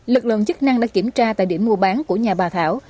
lực lượng chức năng đã kiểm tra tại điểm mua bán của nhà bà thảo